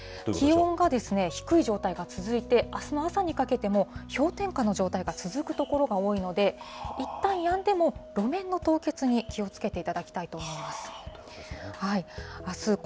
気温が低い状態が続いて、あすの朝にかけても、氷点下の状態が続く所が多いので、いったんやんでも路面の凍結に気をつけていただきたいと思います。